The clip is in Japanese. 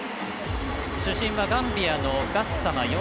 主審はガンビアのガッサマ。